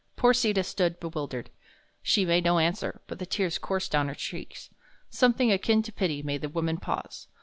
Poor Sita stood bewildered. She made no answer, but the tears coursed down her cheeks. Something akin to pity made the woman pause.